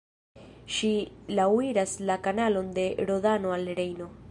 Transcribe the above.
Ŝi laŭiras la kanalon de Rodano al Rejno.